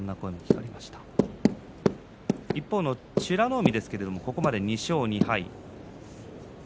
一方の美ノ海ですがここまで２勝２敗です。